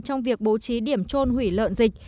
trong việc bố trí điểm trôn hủy lợn dịch